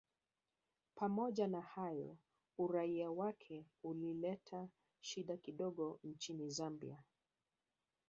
Pamoja na hayo uraia wake ulileta shida kidogo nchini Zambia